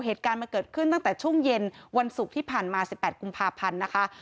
เหตุการณ์มันเกิดขึ้นตั้งแต่ช่วงเย็นวันศุกร์ที่ผ่านมา๑๘กุมภาพันธ์นะคะ